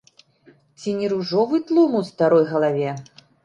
Ці не ружовы тлум у старой галаве?